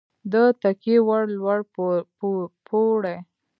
د تکیې وړ لوړ پوړی